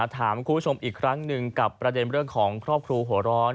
ถามคุณผู้ชมอีกครั้งหนึ่งกับประเด็นเรื่องของครอบครัวหัวร้อน